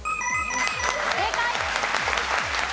正解。